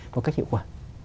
một cách hiệu quả